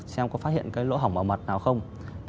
xem có phát hiện cái lỗ hỏng vào mặt nào không